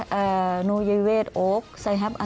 เธอจะบอกว่าเธอจะบอกว่าเธอจะบอกว่า